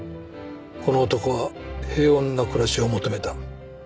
この男は平穏な暮らしを求めた。